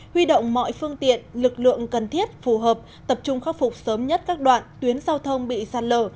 huy động mọi phương tiện lực lượng cần thiết phù hợp tập trung khắc phục sớm nhất các đoạn tuyến giao thông bị sạt lở